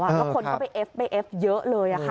แล้วคนเข้าไปเอฟเยอะเลยค่ะ